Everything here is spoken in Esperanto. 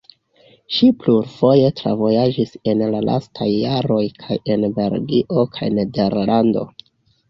Ŝi plurfoje travojaĝis en la lastaj jaroj kaj en Belgio kaj Nederlando.